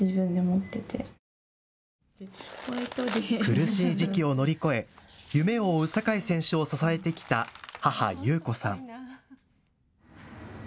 苦しい時期を乗り越え夢を追う酒井選手を支えてきた母、裕子さん。